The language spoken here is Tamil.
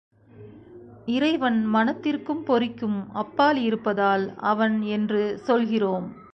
இறைவன் மனத்திற்கும் பொறிக்கும் அப்பால் இருப்பதால் அவன் என்று சொல்கிறோம்.